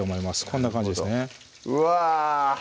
こんな感じですねうわ！